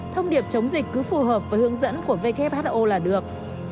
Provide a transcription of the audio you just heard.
thông điệp chống dịch cứ phù hợp với hướng dẫn của who là được